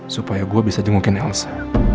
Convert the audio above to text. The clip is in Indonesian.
supaya gue bisa jengukin elsa